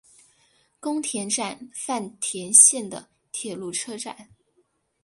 宫田站饭田线的铁路车站。